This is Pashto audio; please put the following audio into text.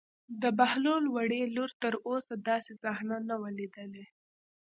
د بهلول وړې لور تر اوسه داسې صحنه نه وه لیدلې.